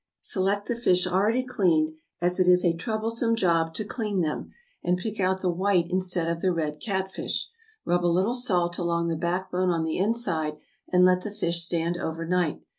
Select the fish already cleaned, as it is a troublesome job to clean them, and pick out the white instead of the red catfish; rub a little salt along the backbone on the inside, and let the fish stand over night.